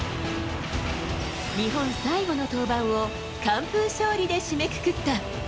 日本最後の登板を完封勝利で締めくくった。